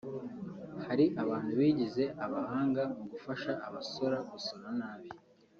“Hari abantu bigize abahanga mu gufasha abasora gusora nabi”